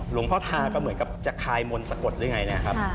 หลวงพ่อทาก็เหมือนกับจะคายมนต์สะกดหรือไงนะครับ